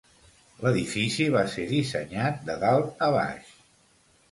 L'edifici va ser dissenyat de dalt a baix.